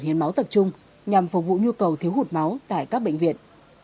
hiến máu tập trung nhằm phục vụ nhu cầu thiếu hụt máu tại các bệnh viện